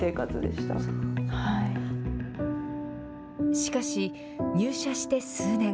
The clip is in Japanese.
しかし、入社して数年。